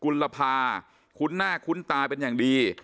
ลภาคุ้นหน้าคุ้นตาเป็นอย่างดี